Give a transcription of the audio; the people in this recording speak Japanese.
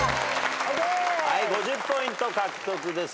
５０ポイント獲得です。